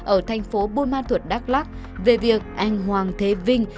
ở thành phố buôn ma thuật đắk lắc về việc anh hoàng thế vinh